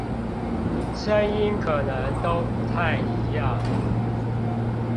聲音可能都不太一樣